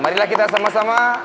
marilah kita sama sama